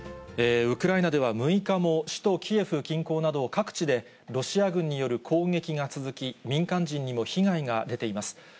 ウクライナでは６日も、首都キエフ近郊など各地で、ロシア軍による攻撃が続き、民間人にも被害が出ています。